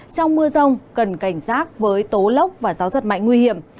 trong mưa rông cần cảnh giác với tố lốc và gió giật mạnh nguy hiểm